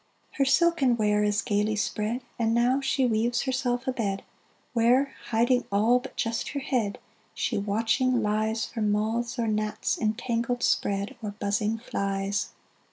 Her silken ware is gaily spread, And now she weaves herself a bed, Where, hiding all but just her head, She watching lies For moths or gnats, entangled spread, Or buzzing flies.